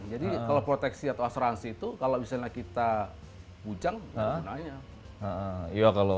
jadi kalau proteksi atau asuransi itu kalau misalnya kita bujang ada dana nya